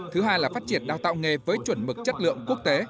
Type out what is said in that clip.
thứ hai là phát triển đào tạo nghề với chuẩn mực chất lượng quốc tế